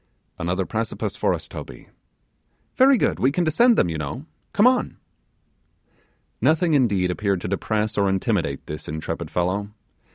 'Another precipice for us, Toby.' 'Very good; we can descend them, you know come on.' Nothing indeed appeared to depress or intimidate this intrepid fellow.